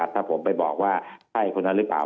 ถ้าผมไปบอกว่าใช่คนนั้นหรือเปล่า